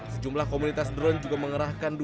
sejumlah komunitas drone juga mengerahkan